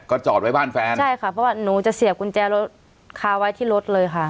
จอดไว้บ้านแฟนใช่ค่ะเพราะว่าหนูจะเสียบกุญแจรถคาไว้ที่รถเลยค่ะ